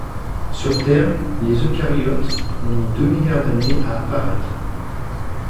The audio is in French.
Sur Terre, les eucaryotes ont mis deux milliards d'années à apparaître.